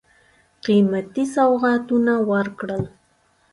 قېمتي سوغاتونه ورکړل.